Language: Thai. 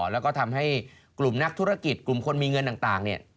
แล้วก็ทำให้กลุ่มนักธุรกิจกลุ่มคนมีเงินต่างเนี่ย